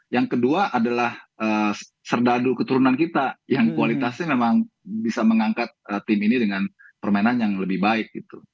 yang kedua adalah serdadu keturunan kita yang kualitasnya memang bisa mengangkat tim ini dengan permainan yang lebih baik